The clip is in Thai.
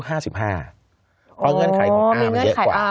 เพราะเงื่อนไขของอาร์มันเยอะกว่า